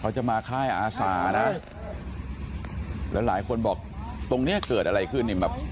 เขาจะมาค่ายอาศาแล้วหลายคนบอกตรงนี้เกิดอะไรขึ้น